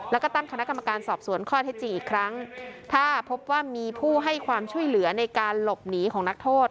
แล้วก็ตั้งคณะกรรมการสอบสวนข้อเท็จจริงอีกครั้งถ้าพบว่ามีผู้ให้ความช่วยเหลือในการหลบหนีของนักโทษ